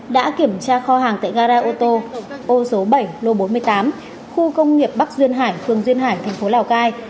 đã kiểm tra kho hàng tại gara ô tô ô số bảy lô bốn mươi tám khu công nghiệp bắc duyên hải phường duyên hải thành phố lào cai